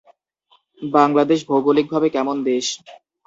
বাংলাদেশ ভৌগোলিকভাবে কেমন দেশ?